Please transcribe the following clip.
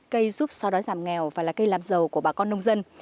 cây giúp so đói giảm nghèo và là cây làm giàu của bà con nông dân